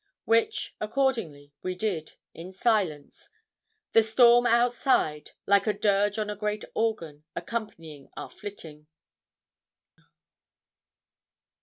Which, accordingly, we did, in silence; the storm outside, like a dirge on a great organ, accompanying our flitting.